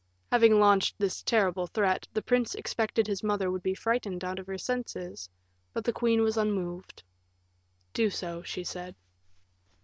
Having launched this terrible threat, the prince expected his mother would be frightened out of her senses; but the queen was unmoved. "Do so," she said.